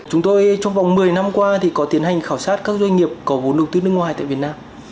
chúng tôi trong vòng một mươi năm qua thì có tiến hành khảo sát các doanh nghiệp có vốn đầu tư nước ngoài tại việt nam